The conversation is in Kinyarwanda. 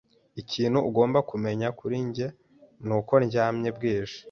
Ikintu ugomba kumenya kuri njye nuko ndyama bwije.